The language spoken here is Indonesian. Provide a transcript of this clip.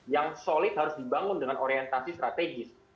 yang solid harus dibangun dengan orientasi strategis